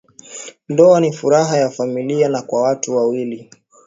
Ndowa ni furaha ya familia na kwa watu wa wili